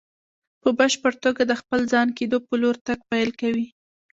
په بشپړ توګه د خپل ځان کېدو په لور تګ پيل کوي.